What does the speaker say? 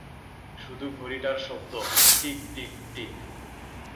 শুধু ঘড়িটার শব্দ, টিক টিক টিক।